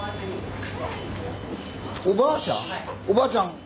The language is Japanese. おばあちゃん？